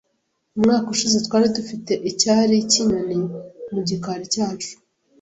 Umwaka ushize twari dufite icyari cyinyoni mu gikari cyacu.